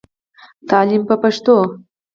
تعليم په پښتو.